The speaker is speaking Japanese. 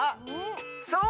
そう。